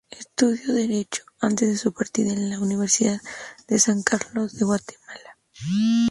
Estudió Derecho antes de su partida, en la Universidad de San Carlos de Guatemala.